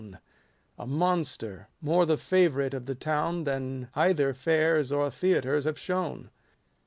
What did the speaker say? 165 A monster, more the favourite of the town 4 Than cither fairs or theatres have shown.